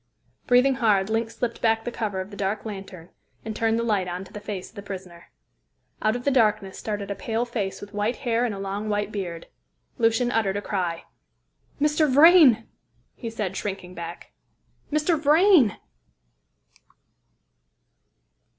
Breathing hard, Link slipped back the cover of the dark lantern and turned the light on to the face of the prisoner. Out of the darkness started a pale face with white hair and long white beard. Lucian uttered a cry. "Mr. Vrain!" he said, shrinking back, "Mr. Vrain!"